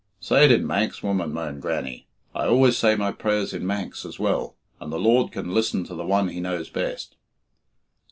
"Say it in Manx, woman," moaned Grannie. "I always say my prayers in Manx as well, and the Lord can listen to the one He knows best."